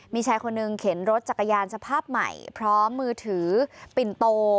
มีชายคนหนึ่งเข็นรถจักรยานสภาพใหม่พร้อมมือถือปิ่นโต